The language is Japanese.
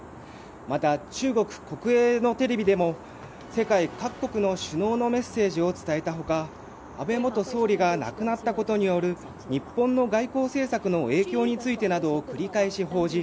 また、中国国営のテレビでも世界各国の首脳のメッセージを伝えた他安倍元総理が亡くなったことによる日本の外交政策の影響についてなどを繰り返し報じ